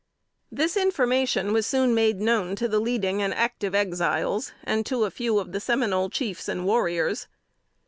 This information was soon made known to the leading and active Exiles, and to a few of the Seminole chiefs and warriors.